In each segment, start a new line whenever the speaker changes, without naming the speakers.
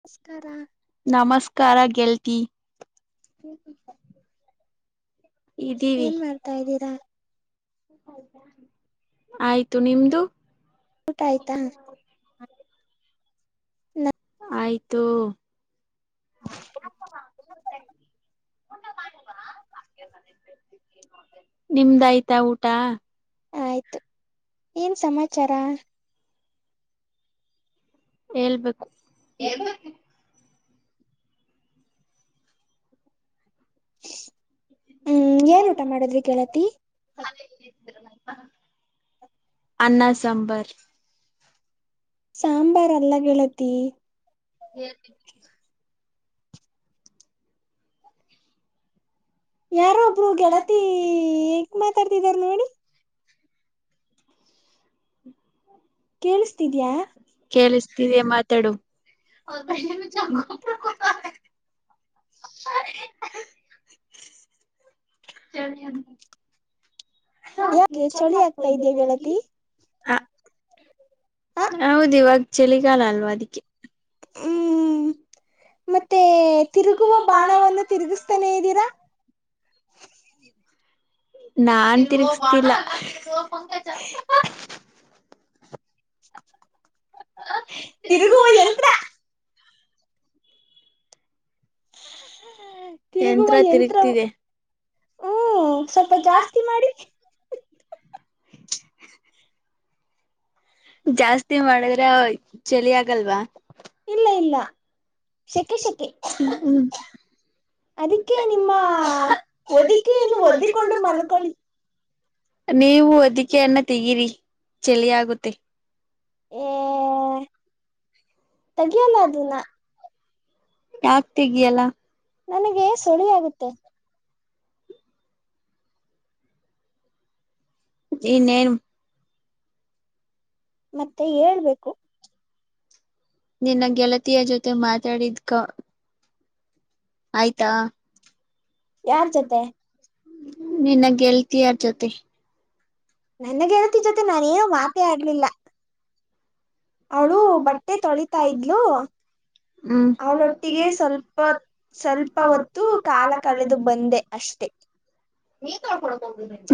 ನಮಸ್ಕಾರ
ನಮಸ್ಕಾರ ಗೆಲ್ತಿ ಇದೀವಿ.
ತ್ತ ಇದ್ದೀರಾ
ಆಯ್ತು ನಿಮ್ದು
ಊಟ ಆಯ್ತಾ
ಆಯ್ತು ನಿಮ್ದಾಯ್ತಾ ಊಟ
ಆಯ್ತು ಏನ್ ಸಮಾಚಾರ.
ಹೇಳ್ಬೇಕು
ಹ್ಮ್ ಏನ್ ಊಟ ಮಾಡಿದ್ರೀ ಗೆಳತಿ
ಅನ್ನ ಸಾಂಬರ್
ಸಾಂಬಾರ್ ಅಲ್ಲ ಗೆಳತಿ
ಹ್ಮ [unintelligible]
ಯಾರೋ ಒಬ್ಬರು ಗೆಳತಿ ಹೇಗ್ ಮಾತಾಡ್ತಿದಾರೆ ನೋಡಿ.
ಕೇಳಿಸ್ತಿದಯಾ ಕೇಳಸ್ತಿದೆ ಮಾತಾಡು. ಬ ಚಂಗ ಕುತ್ತ [unintelligible] ಸರಿ ಅ [unintelligible]
ಯಾಕೆ ಚಳಿ ಆಗ್ತಾ ಇದ್ದೀಯಾ ಗೆಳತಿ
ಹೌದು ಇವಾಗ ಚಳಿಗಾಲ ಅಲ್ವಾ ಅದಿಕ್ಕೆ
ಮತ್ತೆ ತಿರುಗುವ ಬಾಣವನ್ನು ತಿರುಗಿಸ್ತಾನೇ ಇದ್ದೀರಾ
ನಾನ್ ತಿರಗಸ್ತಿಲ್ಲಾ
ತಿರುಗುವ ಯಂತ್ರ ಹ ತಿರುಗುವ ಯಂತ್ರ ಓ ಸ್ವಲ್ಪ ಜಾಸ್ತಿ ಮಾಡಿ
ಜಾಸ್ತಿ ಮಾಡಿದ್ರೆ ಚಳಿ ಆಗಲ್ವಾ ಇಲ್ಲ ಇಲ್ಲ್ [unintelligible]
ಅದಕ್ಕೆ ನಿಮ್ಮ ಹೊದಿಕೆಯನ್ನು ಹೋದ್ದಿಕೊಂಡು ಮಲ್ಕೊಳ್ಳಿ
ನೀವು ಹೊದಿಕೆಯನ್ನ ತೆಗಿರಿ ಚಳಿ ಆಗುತ್ತೆ
ಎ
ಯಾಕ ತಗಿಯಲ್ಲಾ
ನನಗೆ ಸಳಿ ಆಗುತ್ತೆ
ಇನ್ನೇನು
ಮತ್ತೆ ಹೇಳ್ಬೇಕು
ನಿನ್ನ ಗೆಳತಿಯ ಜೊತೆ ಮಾತಾಡಿದ್ ಕಾ ಆಯ್ತಾ ನಿನ್ನ ಗೆಳತಿಯಾರ್ ಜೊತೆ
ನನ್ಗ್ ಗೆಳತಿ ಜೊತೆ ನಾನೇನನು ಮಾತ ಆಡ್ಲಿಲ್ಲ ಅವಳು ಬಟ್ಟೆ ತೊಳಿತಾ ಇದ್ಲು ಅವಳೊಟ್ಟಿಗೆ ಸ್ವಲ್ಪ ಸ್ವಲ್ಪ ಹೊತ್ತು ಕಾಲ ಕಳೆದು ಬಂದೆ ಅಷ್ಟೆ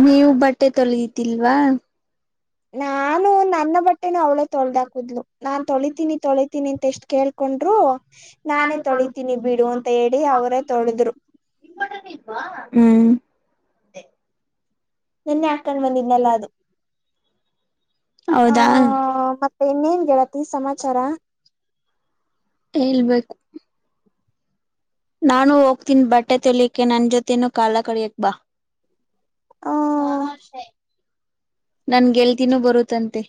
ನೀವು ಬಟ್ಟೆ ತೊಳಿತಿದ್ದಿಲ್ವಾ ಹಾ
ನನ್ನ ಬಟ್ಟೆನೆ ಅವ್ಳೇ ತೊಳ್ದಾಕದ್ಲು ನಾನ್ ತೊಳಿತೀನಿ ತೊಳಿತೀನಿ ಅಂತ ಎಷ್ಟ್ ಕೇಳ್ಕೊಂಡ್ರು ನಾನೇ ತೊಳಿತೀನಿ ಬಿಡು ಅಂತ ಹೇಳಿ ಅವರೇ ತೊಳೆದ್ರು
ಹ್ಮ್
ನಿನ್ನೆ ಹಾಕೊಂಡ್ ಬಂದಿದ್ನಲ್ಲ ಅದು ಆ ಮತ್ತೆ ಇನ್ನೇನ್ ಗೆಳತಿ ಸಮಾಚಾರ
ಹೇಳ್ಬೇಕು ನಾನು ಹೋಗ್ತೀನಿ ಬಟ್ಟೆ ತೊಳಲಿಕ್ಕೆ ನನ್ ಜೋತೆನು ಕಾಲ ಕಳಿಯಕೆ ಬಾ
ಹ್ಮ್
ನನ್ ಗೆಳತಿ ನು ಬರುತ್ತಂತೆ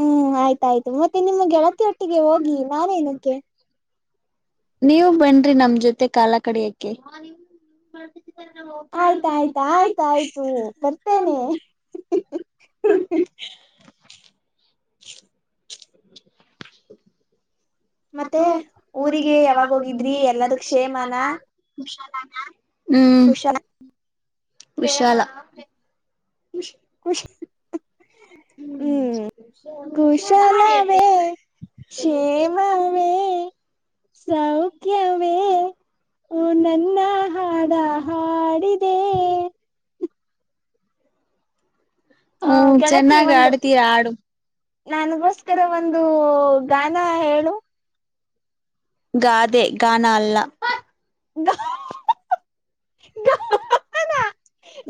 ಹ್ಮ್ ಆಯ್ತಾಯ್ತು ಮತ್ತೆ ನಿಮ್ಮ ಗೆಳತಿ ಹೊಟ್ಟಿಗೆ ಹೋಗಿ ನಾನೇನಕ್ಕೆ
ನೀವು ಬನ್ನಿರಿ ನಮ್ಮ ಜೊತೆ ಕಾಲ ಕಳಿಯೋಕೆ ಆಯ್ತ ಆಯ್ತು ಆಯ್ತ ಆಯ್ತ
ಹ [unintelligible]
ಹ ಮತ್ತೆ ಊರಿಗೆ ಯಾವಾಗ ಹೋಗಿದ್ರಿ ಎಲ್ಲದ ಶ್ಲೇನ ಹ್ಮ್ ವಿಶಾಲ್
ಕುಷ
[unintelligible]
ಕ್ಷೇಮ ವೇ ಸೌಖ್ಯವೇ ನನ್ನ ಹಾಡ ಹಾಡಿದ ಹ ಗೆಳತಿ ಒಂದು ನನ್ಗೋಸ್ಕರ ಒಂದು ಗಾನ ಹೇಳು
ಗಾದೆ ಗಾನ ಅಲ್ಲ.
ಗಾ [unintelligible] ಗಾನ [unintelligible]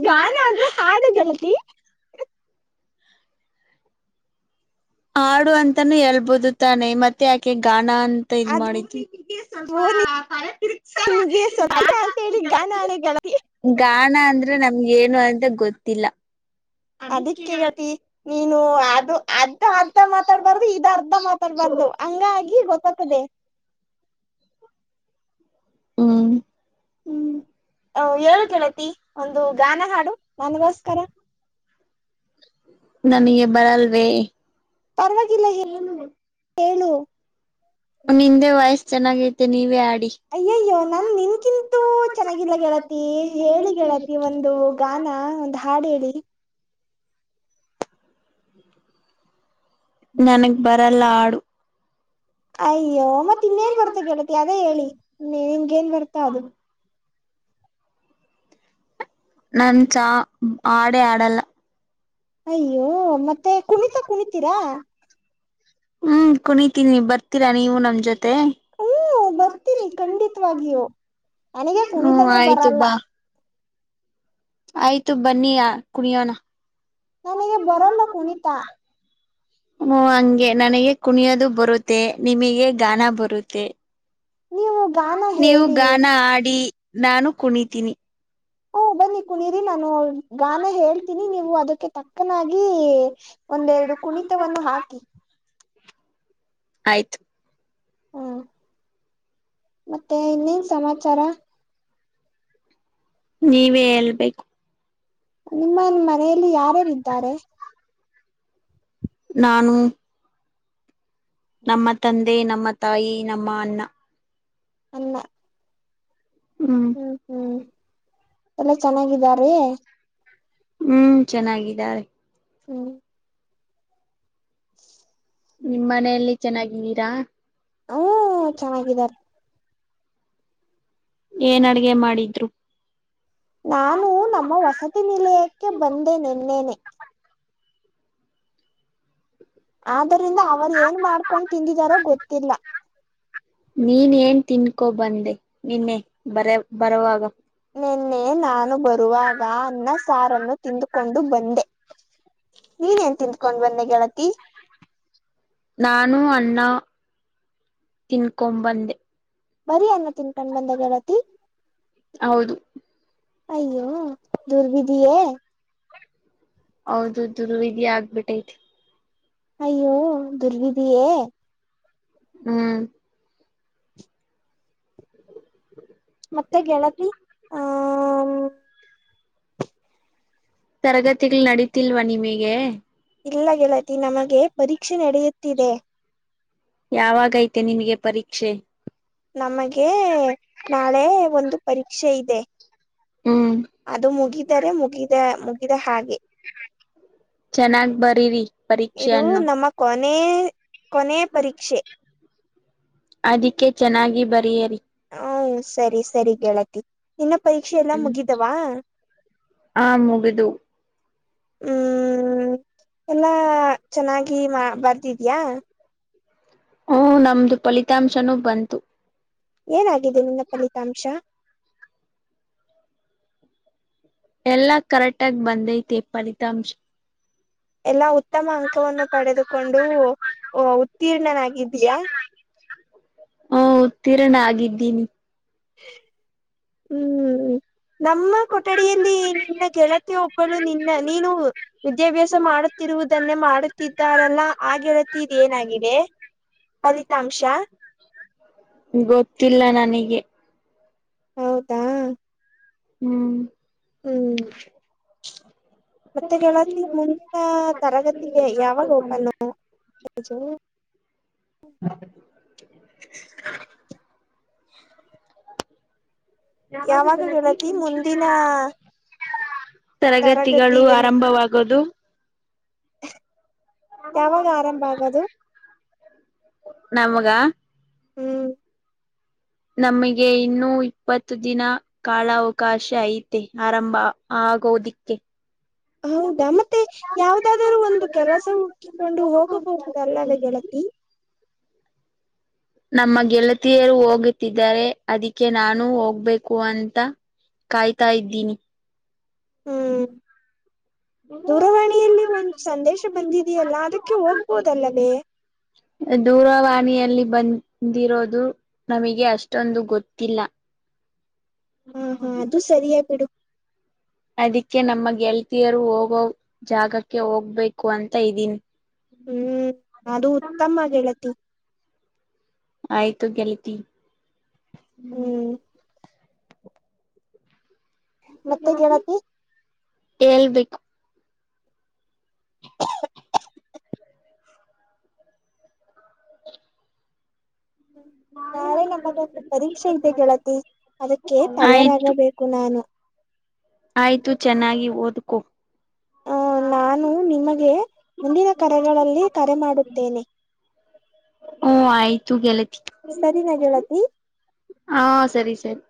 ಗಾನ ಆದ್ರೆ ಹಾಡು ಗೆಳತಿ
ಹಾಡು ಅಂತಾನೂ ಹೇಳ್ಬೋದು ತಾನೆ ಮತ್ತೆ ಯಾಕೆ ಗಾನ ಅಂತ ಇದ್ ಮಾಡಿದ್ವಿ. ಸ್ವಲ್ಪ ಕಳ ತಿರುಗ್ಸ ಗಾನ ಆಗ್ ಜನ [unintelligible] ಗಾನ ಅಂದ್ರೆ ನಮ್ಗ ಏನು ಅಂತ ಗೊತ್ತಿಲ್ಲ.
ಅದಿಕ್ಕೆ ಗೆಳತಿ ನೀನು ಅದು ಅದ್ದ ಅಂತ ಮಾತಾಡ್ಬಾರ್ದು ಇದ ಅರ್ಧ ಮಾತ. ಬರ್ಬಾರ್ದು ಹಂಗ ಆಗಿ ಗೊತ್ತಾಗ್ತದೆ.
ಹ್ಮ್ ಹೇಳು ಕೇಳತಿ ಒಂದು ಗಾನ ಹಾಡು ಮಕ್ಕಗೋಸ್ಕರ ನನಗೆ ಬರಲ್ವೇ.
ಪರ್ವಾಗಿಲ್ಲ ಹೇಳು.
ನಿಂದೆ ವಯಸ್ಸ ಚೆನ್ನಾಗೈತೆ ನೀವೇ ಆಡಿ.
ಅಯ್ಯಯ್ಯೋ ನಮ್ ನಿನ್ಕಿಂತೂ ಚೆನ್ನಾಗಿಲ್ಲ ಗೆಳತಿ ಹೇಳಿ ಗೆಳತಿ ಒಂದು ಗಾನ ಒ. ಹಾಡು ಹೇಳಿ
ನನಗ್ ಬರಲ್ಲ ಹಾಡು
ಅಯ್ಯೋ ಮತ್ತತ್ ಇನ್ನೇನ್ ಬರ್ತ ಗಗೆಡತಿ ಅದೇ ಹೇಳಿ ನಿನ್ಗ ನ್ ಬರ್ತಾ ಅದು.
ನನ್ ಚಾ ಹಾಡ ಹಾಡಲ್ಲ.
ಅಯ್ಯೋ ಮತ್ತೆ ಕುಣಿತಾ ಕುಣಿತೀರಾ.
ಹ್ಮ್ -ಕುಣಿತೀನಿ ಬರ್ತೀರಾ ನೀವು ನಮ್ಮ ಜೊತೆ
ಹ್ಮ್ -ಬರ್ತೀನಿ ಖಂಡಿತವಾಗಿಯೂ ನನಗ ಕುಣಿತಾನೇ ಬರಲ್ಲ.
ಆಯ್ತು ಬನ್ನಿ ಕುಣಿಯೋಣ.
ನನಗೆ ಬರಲ್ಲ ಕುಣಿತಾ.
ಹ್ಮ -ಹಂಗೆ ನನಗೆ ಕುಣಿಯೋದು ಬರುತ್ತೆ ನಿಮಗೆ ಗಾನ ಬರುತ್ತೆ. ನೀವು ಗಾನ ಆಡಿ ನಾನು ಕುಣಿತೀನಿ.
ಹಓ ಬನ್ನಿ ಕುಣೀರಿ ನಾನು ಗಾನ ಹೇಳ್ತೀನಿ ನೀವು ಅದಕ್ಕೆ ತಕ್ಕನಾಗಿ. ಒಂದೆರಡು ಕುಣಿತವನ್ನು ಹಾಕಿ.
ಆಯ್ತು
ಹಾ- ಮತ್ತೆ ಇನ್ನೇನ್ ಸಮಾಚಾರ.
ನೀವೇ ಹೇಳ್ಬೇಕು.
ನಿಮ್ಮ ಮನೆಯಲ್ಲಿ ಯಾರ್ಯಾರಿದ್ದಾರೆ.
ನಾನು ನಮ್ಮ ತಂದೆ ನಮ್ಮ ತಾಯಿ ನಮ್ಮ ಅಣ್ಣ.
ಅನ್ನ ಹ್ಮ್ ಹ್ಮ್ ಎಲ್ಲಾ ಚೆನ್ನಾಗಿದಾರ
ಹ್ಮ್- ಚೆನ್ನಾಗಿದ್ದಾರೆ
ಹ್ಮ್
ನಿಮ್ಮ್ ಮನೆಯಲ್ಲಿ ಚೆನ್ನಾಗಿದ್ದೀರಾ.
ಹ ಚೆನ್ನಾಗಿದ್ದಾರೆ.
ಏನ್ ಅಡಗೆ ಮಾಡಿದ್ರು.
ನಾನು ನಮ್ಮ ವಸತಿ ನಿಲಯಕ್ಕೆ ಬಂದೆ ನನ್ನೆನೆ
ಆರಿ ನೀನ್ ಏನ್ ತಿನ್ಕೋಬಂದೆ ನಿನ್ನೆ ಬರ ಬರುವವಾಗ. ಹ್ಮ ನಾ [unintelligible] ಹೇತಿನ್ [unintelligible] ತೊಂದ್ ಬಂದ ಹೇಳತಿ ನಾನು ಅಣ್ಣ ತಿನ್ಕೊಂಬಂದೆ
ಸಂಬಂಧ ಗೆಳತಿ.
ಹೌದು.
ಅಯ್ಯೋ ದುರ್ಬಧಿಿಯ.
ಹೌದು ದು ಇದ ಆಗ್ಬಿಟ್ಟೈಐತಿ.
ಅಯ್ಯೋ ದುರ್ವಿಿದಿಯೇ.
ಹ್ಮ್.
ಮತ್ತೆ ಗೆಳತಿ ಆ.
ತರಗತಿಗಳು ನಡೀತಿಲ್ವಾ ನಿಮಗೆ.
ಇಲ್ಲ ಗೆಳತಿ ನಮಗೆ ಪರೀಕ್ಷೆ ನಡೆಯುತ್ತಿದೆ.
ಯಾವಾಗೈತೆ ನಿಮಗೆ ಪರೀಕ್ಷೆ.
ನಮಗೆ ನಾಳೆ ಒಂದು ಪರೀಕ್ಷೆ ಇದೆ. ಅದು ಮುಗಿದರೆ ಮುಗಿದ ಮುಗಿದ ಹಾಗೆ. ಇದು ನಮ್ಮ ಕೊನೆ ಕೊನೆ ಪರೀಕ್ಷೆ.
ಅದಿಕ್ಕೆ ಚೆನ್ನಾಗಿ ಬರಿಯರಿ.
ಹ ಸರಿ ಸರಿ ಗೆಳತಿ ನಿನ್ನ ಪರೀಕ್ಷೆ ಎಲ್ಲಾ ಮುಗಿದವಾ.
ಹಾ ಮುಗಿದು.
ಹ್ಮ್ ಎಲ್ಲಾ ಚೆನ್ನಾಗಿ ಮಾ ಬರ್ದಿದ್ಯಾಾ.
ಹ್ಮ ನಮ್ದು ಫಲಿತಾಂಶನೂ ಬಂತು.
ಏನಾಗಿದೆ ನಿನ್ನ ಫಲಿತಾಂಶ.
ಎಲ್ಲಾ ಕರೆಕ್ಟ್ ಆಗ ಬಂದೈತಿ ಫಲಿತಾಂಶ.
ಎಲ್ಲಾ ಉತ್ತಮ ಅಂಕವನ್ನು ಪಡೆದುಕೊಂಡು ಉತ್ತೀರ್ಣನಾಗಿದ್ದೀಯಾ.
ಹಓ ಉತ್ತೀರನ ಆಗಿದ್ದೀನಿ.
ಹ್ಮ.
ಹ್ಮ್ ಹ್ಮ.
ನಮ್ಮ ಕೊಠಡಿಯಲ್ಲಿ ನಿನ್ನ ಗೆಳತಿ ಒಬ್ಬಳು ನಿನ್ನ ನೀನು. ವಿದ್ಯಾಭ್ಯಾಸ ಮಾಡುತ್ತಿರುವುದನ್ನೇ ಮಾಡುತ್ತಿದ್ದಾರಲ್ಲಾ ಆ ಗೆಳತಿದ್ ಏನಾಗಿದೆ. ಫಲಿತಾಂಶ.
ಗೊತ್ತಿಲ್ಲ ನನಗೆ.
ಹೌದಾ.
ಹ್ಮ್.
ಹ್ಮ್. ಮತ್ತೆ ಗೆಳತಿ ಮುಂದಿನ ತರಗತಿ ಯಾವಾಗ ಓಪನುು.
ಹೌ. [inaudible]
ಯಾವಾಗ ಹೇಳತಿ ಮುಂದಿನ.
ತರಗತಿಗಳು ಆರಂಭವಾಗದು. ನಮಗ.
ಹ್ಮ್.
ನಮಗೆ ಇನ್ನುೂ ಇಪ್ಪತ್ತು ದಿನ. ಕಾಲಾವಕಾಶ ಐತೆ ಆರಂಭ ಆಗೋದಿಕ್ಕೆ.
[unintelligible] ಹೌದಾ ಮತ್ತೆ ಯಾವದಾದರೂ ಒಂದು ಕೆಲಸ ಹುಡುಕಿಕೊಂಡು ಹೋಗಬಹುದಲ್ಲದ ಗೆಳತಿ.
ನಮ್ಮ ಗೆಳತಿಯರು ಹೋಗುತ್ತಿದ್ದಾರೆ ಅದಕ್ಕೆ ನಾನು ಹೋಗ್ಬೇಕು ಅಂತ.. ಕಾಯ್ತಾ ಇದ್ದೀನಿ.
ಹ್ಮ್. ದೂರವಾಣಿಯಲ್ಲಿ ಒಂದು ಸಂದೇಶ ಬಂದಿದೆಯಲ್ಲ ಅದಕ್ಕೆ ಹೋಗ್ಬೋದಲ್ಲವೇ.
ದೂರವಾಣಿಯಲ್ಲಿ ಬಂದಿರೋದು ನಮಗೆ ಅಷ್ಟೊಂದು ಗೊತ್ತಿಲ್ಲ
ಹಾ ಹಾ ಅದು ಸರಿಯಾ ಬಿಡು
ಅದಕ್ಕೆ ನಮ್ಮ ಗೆಲ್ತಿಯರು ಹೋಗೋ ಜಾಗಕ್ಕೆ ಹೋಗ್ಬೇಕು ಅಂತ ಇದೀನಿ
ಹ್ಮ್ ಅದು ಉತ್ತಮ ಗೆಳತಿ
ಆಯ್ತು ಗೆಳತಿ ಹೇಳ್ಬೇಕು
ಹ್ಮ ನಾಳೆ ನಮಗೊಂದು ಪರೀಕ್ಷೆ ಇದೆ ಗೆಳತಿ ಅದಕ್ಕೆ ತಯಾರಾಗಬೇಕು ನಾನು
ಆಯ್ತು ಚೆನ್ನಾಗಿ ಓದ್ಕು
ಹ ನಾನು ನಿಮಗೆ ಮುಂದಿನ ಕರೆಗಳಲ್ಲಿ ಕರೆ ಮಾಡುತ್ತೇನೆ
ಹು ಅಯ್ತು ಗೆಳತಿ
ಸರಿನ ಗೆಳತಿ
ಹಾ ಸರಿ ಸರಿ